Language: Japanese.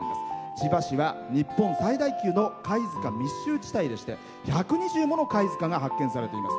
千葉市は日本有数の貝塚密集地帯でして１２０もの貝塚が発見されています。